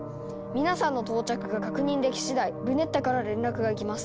皆さんの到着が確認できしだいルネッタから連絡が行きます。